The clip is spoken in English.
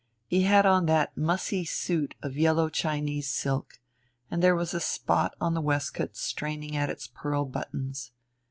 He had on that mussy suit of yellow Chinese silk, and there was a spot on the waistcoat straining at its pearl buttons.